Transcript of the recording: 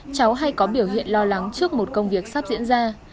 cháu hay có biểu hiện lo lắng trước một công việc sắp diễn ra